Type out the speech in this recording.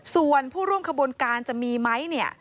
ส่วนผู้ร่วมขบวนการจะมีไหมเนี่ย